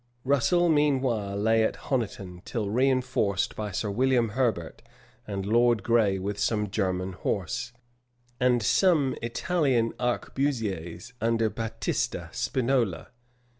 Russel meanwhile lay at Honiton, till reënforced by Sir William Herbert and Lord Gray with some German horse, and some Italian arquebusiers under Battista Spinola.